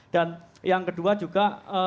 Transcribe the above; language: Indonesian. dan yang kedua juga